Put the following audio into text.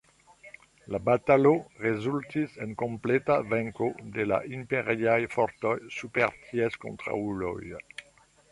La batalo rezultis en kompleta venko de la Imperiaj fortoj super ties kontraŭuloj.